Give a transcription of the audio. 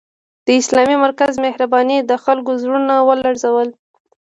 د اسلامي مرکز مهربانۍ د خلکو زړونه ولړزول